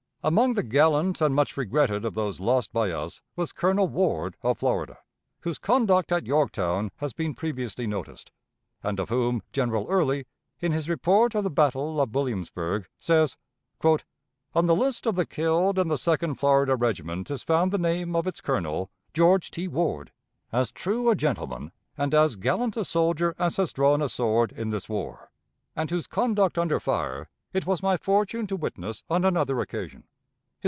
Among the gallant and much regretted of those lost by us, was Colonel Ward, of Florida, whose conduct at Yorktown has been previously noticed, and of whom General Early, in his report of the battle of Williamsburg, says: "On the list of the killed in the Second Florida Regiment is found the name of its colonel, George T. Ward, as true a gentleman and as gallant a soldier as has drawn a sword in this war, and whose conduct under fire it was my fortune to witness on another occasion.